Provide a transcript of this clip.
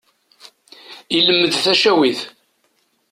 Ilemmed tacawit.